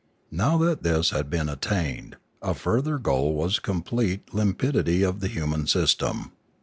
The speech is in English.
Now that this had been attained, a further goal was complete limpid ity of the human system.